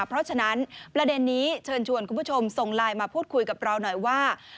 เพราะฉะนั้นประเด็นนี้เชิญชวนคุณผู้ชมส่งไลน์มาพูดคุยกับเราหน่อยว่า